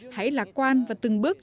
hãy lạc quan và từng bước